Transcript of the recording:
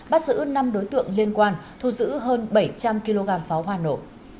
bắt giữ năm đối tượng liên quan thu giữ hơn bảy trăm linh kg pháo hoa nổ